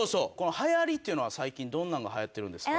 流行りっていうのは最近どんなのが流行ってるんですか？